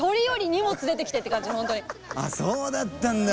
あそうだったんだ。